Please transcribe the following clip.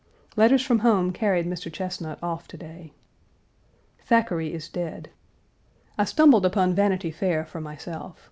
Letters from home carried Mr. Chesnut off to day. Thackeray is dead. I stumbled upon Vanity Fair for myself.